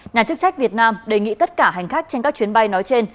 nhà chức trách việt nam đề nghị tất cả hành khách trên các chuyến bay nói trên